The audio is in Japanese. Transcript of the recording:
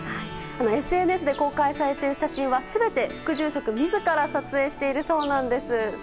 ＳＮＳで公開されている写真は全て副住職自ら撮影しているそうなんです。